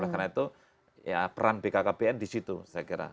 karena itu peran bkkbn disitu saya kira